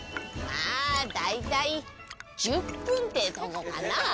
「まあ大体１０分ってとこかな」。